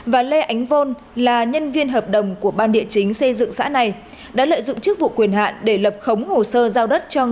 và lê ánh vôn là nhân viên hợp đồng của ban địa chính xây dựng xã này đã lợi dụng chức vụ quyền hạn để lập khống hồ sơ giao đất cho người không có tên thật tại địa phương